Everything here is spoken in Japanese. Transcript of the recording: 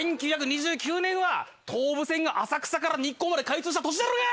１９２９年は東武線が浅草から日光まで開通した年だろうが！